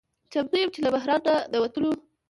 چمتو یم چې له بحران نه د وتلو